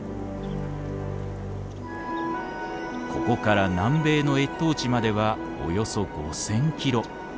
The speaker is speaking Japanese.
ここから南米の越冬地まではおよそ５，０００キロ。